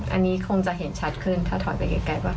อันนี้คงจะเห็นชัดขึ้นถ้าถอยไปไกลว่า